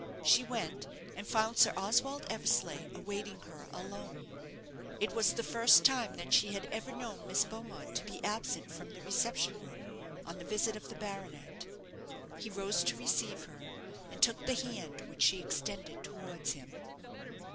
She went, and found Sir Oswald Eversleigh awaiting her alone. It was the first time that she had ever known Miss Beaumont to be absent from the reception room on the visit of the baronet. He rose to receive her, and took the hand which she extended towards him.